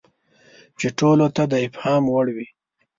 چې ټولو ته د افهام وړ وي.